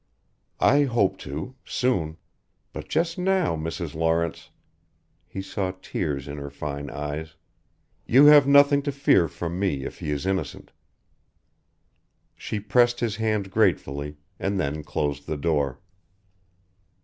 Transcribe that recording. "I hope to soon. But just now, Mrs. Lawrence " He saw tears in her fine eyes. "You have nothing to fear from me if he is innocent." She pressed his hand gratefully, and then closed the door.